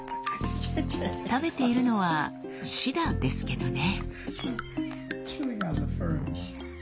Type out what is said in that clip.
食べているのはシダですけどね。